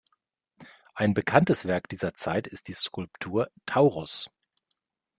Ein bekanntes Werk dieser Zeit ist die Skulptur „Taurus“.